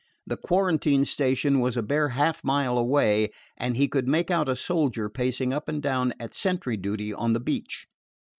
The quarantine station was a bare half mile away, and he could make out a soldier pacing up and down at sentry duty on the beach.